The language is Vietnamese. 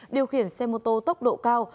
điều khiển xe mô tô tốc độ cao